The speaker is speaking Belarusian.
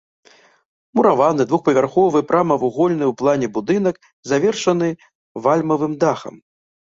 Мураваны двухпавярховы прамавугольны ў плане будынак, завершаны вальмавым дахам.